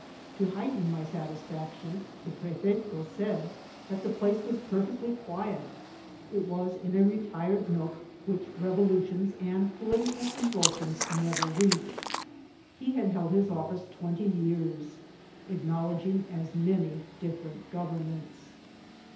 To heighten my satisfaction, the prefeto said that the place was perfectly quiet ; it was in a retired nook, which revolutions and political convulsions never reach ed. He had held his office twenty years, acknowledg ing as many different governments.